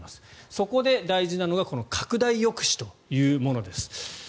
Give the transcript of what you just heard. そこで大事なのが拡大抑止というものです。